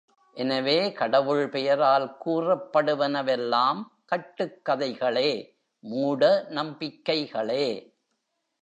எனவே, கடவுள் பெயரால் கூறப்படுவனவெல்லாம் கட்டுக் கதைகளே மூட நம் பிக்கைகளே.